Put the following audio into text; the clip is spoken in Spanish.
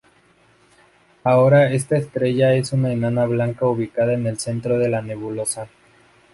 Ahora esta estrella es una enana blanca ubicada en el centro de la nebulosa.